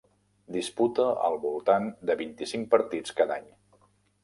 Disputa al voltant de vint-i-cinc partits cada any.